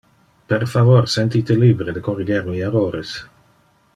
Per favor senti te libere de corriger mi errores.